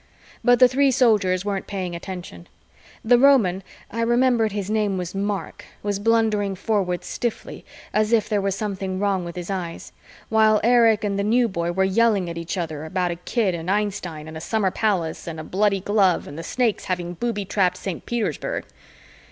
But the three Soldiers weren't paying attention. The Roman I remembered his name was Mark was blundering forward stiffly as if there were something wrong with his eyes, while Erich and the New Boy were yelling at each other about a kid and Einstein and a summer palace and a bloody glove and the Snakes having booby trapped Saint Petersburg.